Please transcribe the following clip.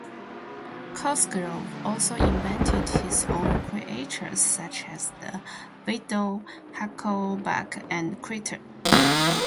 Cosgrove also invented his own creatures such as the wheedle, hucklebug and kritter.